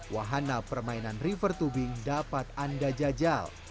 wahana permainan river tubing dapat anda jajal